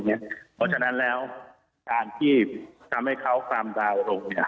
เพราะฉะนั้นแล้วการที่ทำให้เขาความดาวลง